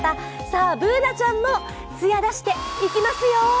さあ、Ｂｏｏｎａちゃんもツヤ出していきますよ。